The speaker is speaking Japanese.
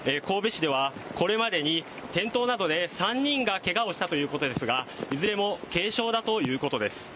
これまでに転倒などで３人がけがをしたということですがいずれも軽傷だということです